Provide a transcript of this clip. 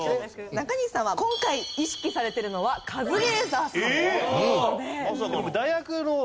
中西さんは今回意識されてるのはカズレーザーさんという事で。